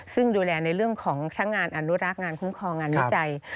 ซึ่งดูแลในเรื่องของทั้งงานอนุรักษ์งานคุ้มครองงานวิจัย